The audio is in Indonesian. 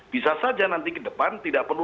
bisa saja nanti ke depan tidak perlu